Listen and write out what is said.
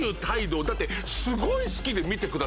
だって。